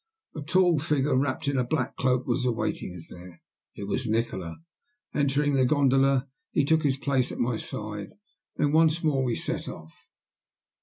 A tall figure, wrapped in a black cloak, was awaiting us there. It was Nikola! Entering the gondola he took his place at my side. Then once more we set off.